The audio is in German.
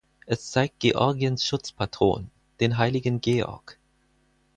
Es zeigt Georgiens Schutzpatron, den Heiligen Georg.